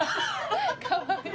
かわいい。